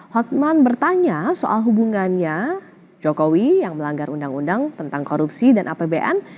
hotman bertanya soal hubungannya jokowi yang melanggar undang undang tentang korupsi dan apbn